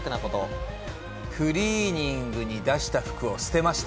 クリーニングに出した服を捨てました。